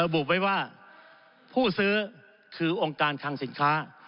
บุไว้ว่าผู้ซื้อคือองค์การคังสินค้า